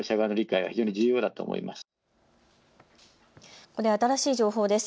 ここで新しい情報です。